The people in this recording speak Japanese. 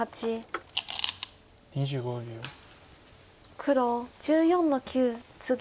黒１４の九ツギ。